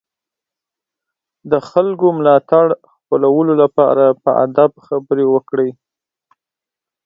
د خلکو ملاتړ خپلولو لپاره په ادب خبرې وکړئ.